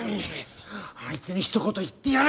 あいつにひと言言ってやる！